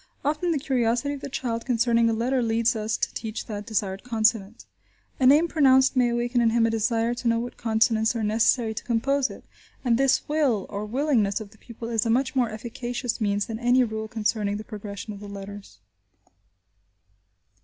Often the curiosity of the child concerning a letter leads us to teach that desired consonant; a name pronounced may awaken in him a desire to know what consonants are necessary to compose it, and this will, or willingness, of the pupil is a much more efficacious means than any rule concerning the progression of the letters.